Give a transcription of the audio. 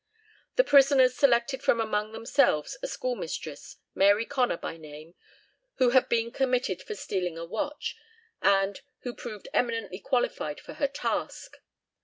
The prisoners selected from among themselves a schoolmistress, Mary Connor by name, who had been committed for stealing a watch, and "who proved eminently qualified for her task."